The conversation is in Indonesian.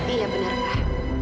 iya bener pak